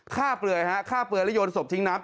ฆ่าเปลือยและโยนศพทิ้งน้ำ